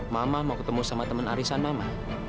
mama mau ketemu sama teman arisan mama